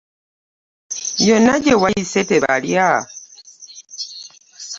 Yonna gye wayise tebalya?